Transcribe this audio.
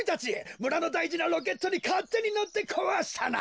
むらのだいじなロケットにかってにのってこわしたな！